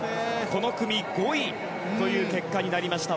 この組５位という結果になりました。